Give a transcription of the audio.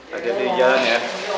hati hati di jalan ya